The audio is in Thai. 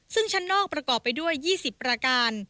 ซึ่งชั้นนอกประกอบไปด้วย๒๐ประการ